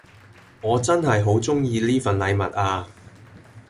我真係好鍾意呢份禮物呀